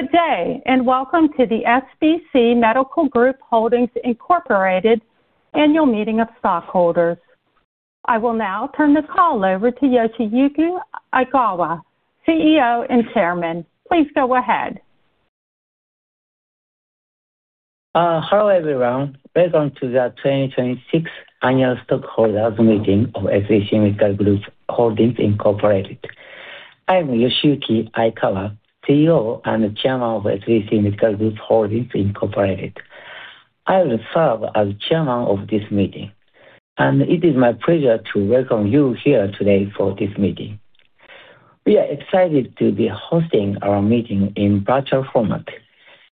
Good day. Welcome to the SBC Medical Group Holdings, Incorporated. annual meeting of stockholders. I will now turn the call over to Yoshiyuki Aikawa, CEO and Chairman. Please go ahead. Hello, everyone. Welcome to the 2026 annual stockholders meeting of SBC Medical Group Holdings, Incorporated. I am Yoshiyuki Aikawa, CEO and Chairman of SBC Medical Group Holdings, Incorporated. I will serve as chairman of this meeting. It is my pleasure to welcome you here today for this meeting. We are excited to be hosting our meeting in virtual format,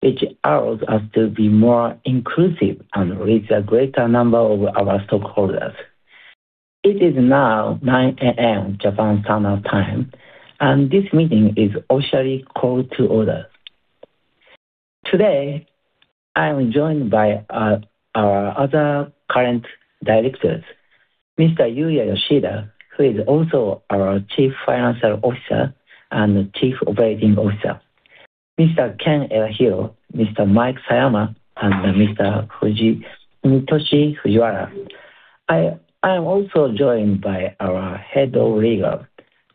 which allows us to be more inclusive and reach a greater number of our stockholders. It is now 9:00 A.M., Japan Standard Time. This meeting is officially called to order. Today, I am joined by our other current directors, Mr. Yuya Yoshida, who is also our Chief Financial Officer and Chief Operating Officer, Mr. Ken Edahiro, Mr. Mike Sayama, and Mr. Fumitoshi Fujiwara. I am also joined by our head of legal,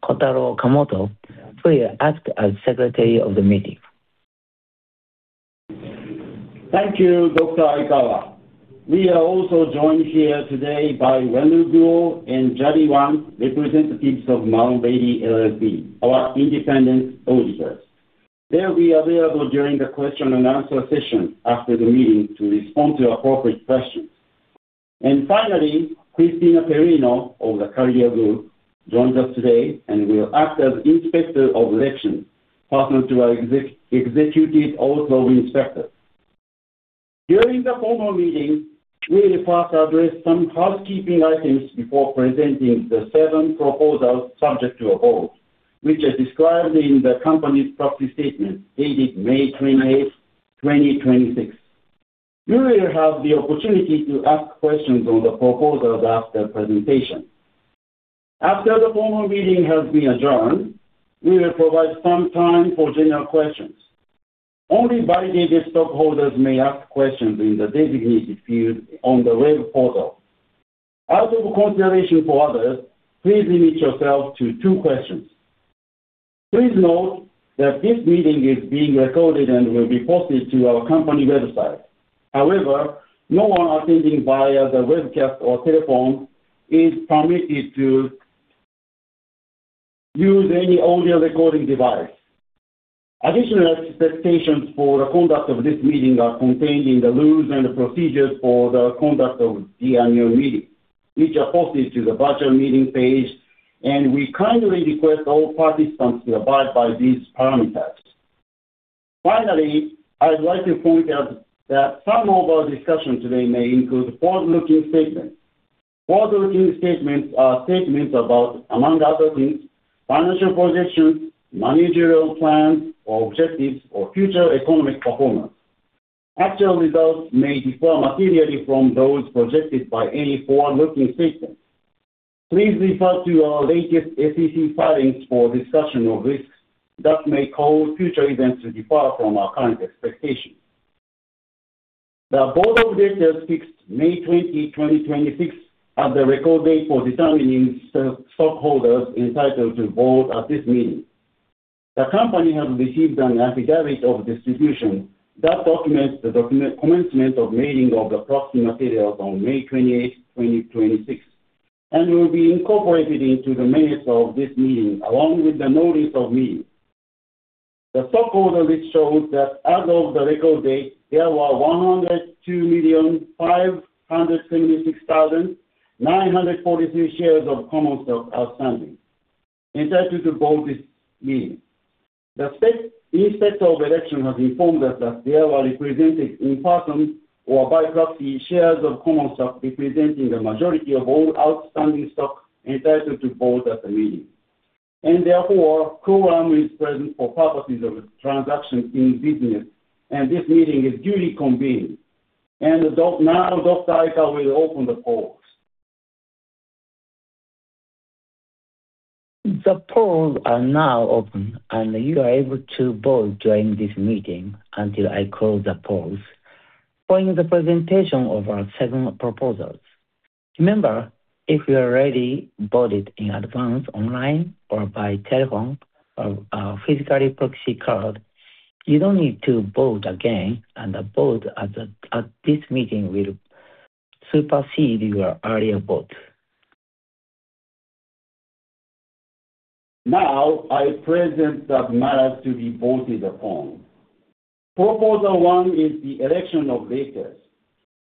Kotaro Okamoto, who will act as secretary of the meeting. Thank you, Dr. Aikawa. We are also joined here today by [Wendell Guo] and Jaddy Wang, representatives of MaloneBailey, LLP, our independent auditors. They will be available during the question-and-answer session after the meeting to respond to appropriate questions. Finally, Christina Kadirov of the Career Group joins us today and will act as Inspector of Election, partner to our Executive Officer Inspector. During the formal meeting, we will first address some housekeeping items before presenting the seven proposals subject to a vote, which are described in the company's proxy statement, dated May 28th, 2026. You will have the opportunity to ask questions on the proposals after presentation. After the formal meeting has been adjourned, we will provide some time for general questions. Only validated stockholders may ask questions in the designated field on the web portal. Out of consideration for others, please limit yourself to two questions. Please note that this meeting is being recorded and will be posted to our company website. However, no one attending via the webcast or telephone is permitted to use any audio recording device. Additional expectations for the conduct of this meeting are contained in the rules and procedures for the conduct of the annual meeting, which are posted to the virtual meeting page. We kindly request all participants to abide by these parameters. Finally, I would like to point out that some of our discussion today may include forward-looking statements. Forward-looking statements are statements about, among other things, financial projections, managerial plans or objectives, or future economic performance. Actual results may differ materially from those projected by any forward-looking statements. Please refer to our latest SEC filings for a discussion of risks that may cause future events to differ from our current expectations. The board of directors fixed May 28, 2026, as the record date for determining stockholders entitled to vote at this meeting. The company has received an affidavit of distribution that documents the commencement of mailing of the proxy materials on May 28th, 2026, and will be incorporated into the minutes of this meeting, along with the notice of meeting. The stockholder list shows that as of the record date, there were 102,576,943 shares of common stock outstanding, entitled to vote this meeting. The Inspector of Election has informed us that there were represented in person or by proxy shares of common stock representing the majority of all outstanding stock entitled to vote at the meeting. Therefore, quorum is present for purposes of transaction in business, and this meeting is duly convened. Now Dr. Aikawa will open the polls. The polls are now open, and you are able to vote during this meeting until I close the polls following the presentation of our seven proposals. Remember, if you already voted in advance online or by telephone or physical proxy card, you don't need to vote again, and a vote at this meeting will supersede your earlier vote. Now I present the matters to be voted upon. Proposal one is the election of directors.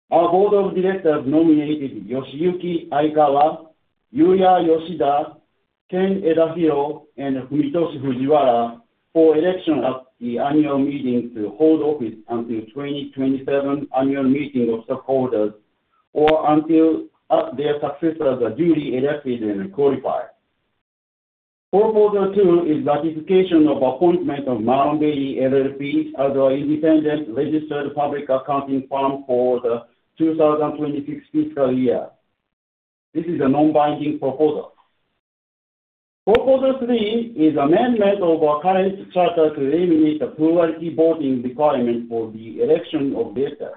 Our board of directors nominated Yoshiyuki Aikawa, Yuya Yoshida, Ken Edahiro, and Fumitoshi Fujiwara for election at the annual meeting to hold office until the 2027 annual meeting of stockholders, or until their successors are duly elected and qualified. Proposal two is ratification of appointment of MaloneBailey, LLP as our independent registered public accounting firm for the 2026 fiscal year. This is a non-binding proposal. Proposal three is amendment of our current charter to eliminate the plurality voting requirement for the election of directors.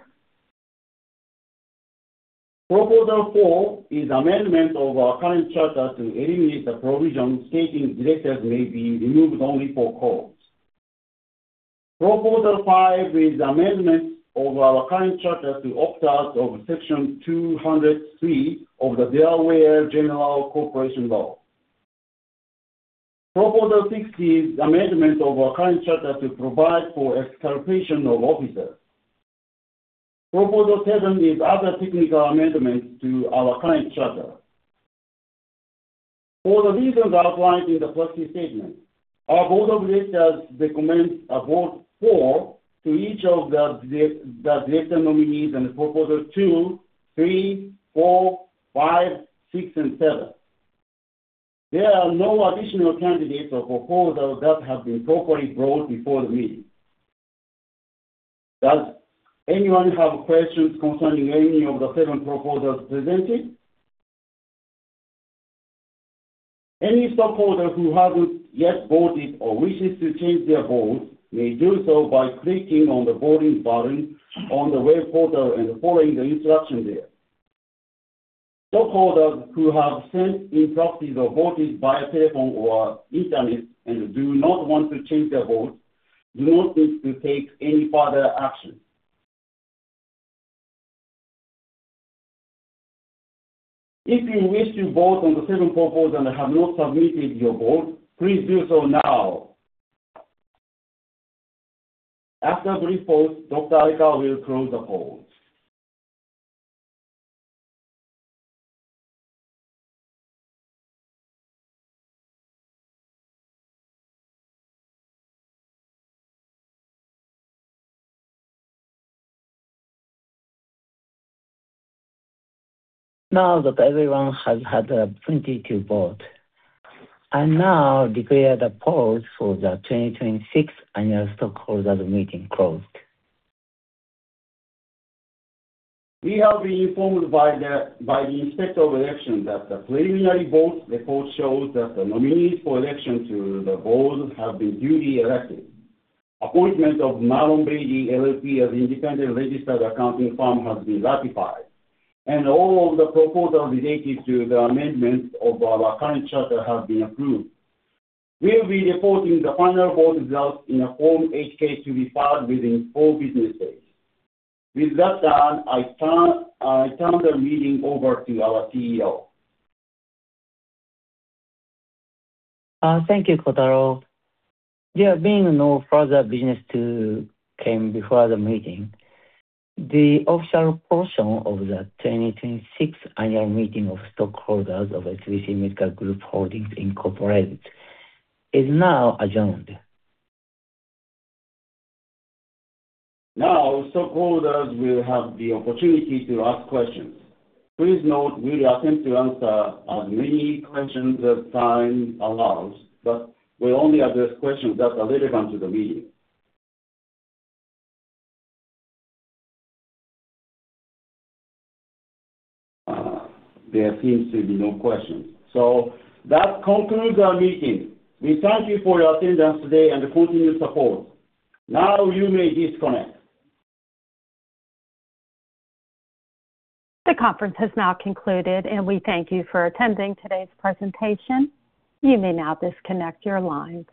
Proposal four is amendment of our current charter to eliminate the provision stating directors may be removed only for cause. Proposal five is amendment of our current charter to opt out of Section 203 of the Delaware General Corporation Law. Proposal six is amendment of our current charter to provide for exculpation of officers. Proposal seven is other technical amendments to our current charter. For the reasons outlined in the proxy statement, our board of directors recommends a vote for to each of the director nominees and proposals two, three, four, five, six, and seven. There are no additional candidates or proposals that have been properly brought before the meeting. Does anyone have questions concerning any of the seven proposals presented? Any stockholder who haven't yet voted or wishes to change their vote may do so by clicking on the voting button on the web portal and following the instruction there. Stockholders who have sent instructions or voted via telephone or internet and do not want to change their vote do not need to take any further action. If you wish to vote on the seven proposals and have not submitted your vote, please do so now. After three votes, Dr. Aikawa will close the polls. Now that everyone has had the opportunity to vote, I now declare the polls for the 2026 Annual Stockholders Meeting closed. We have been informed by the Inspector of Election that the preliminary vote report shows that the nominees for election to the board have been duly elected. Appointment of MaloneBailey, LLP as independent registered accounting firm has been ratified, and all of the proposals related to the amendment of our current charter have been approved. We will be reporting the final vote results in a Form 8-K to be filed within four business days. With that done, I turn the meeting over to our CEO. Thank you, Kotaro. There being no further business to come before the meeting, the official portion of the 2026 Annual Meeting of Stockholders of SBC Medical Group Holdings, Incorporated is now adjourned. Stockholders will have the opportunity to ask questions. Please note we'll attempt to answer as many questions as time allows, but we'll only address questions that are relevant to the meeting. There seems to be no questions. That concludes our meeting. We thank you for your attendance today and continued support. Now you may disconnect. The conference has now concluded, and we thank you for attending today's presentation. You may now disconnect your lines.